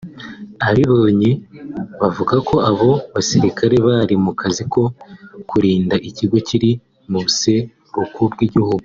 Ababibonye bavuga ko abo basirikare bari mu kazi ko kurinda ikigo kiri mu buseruko bw'igihugu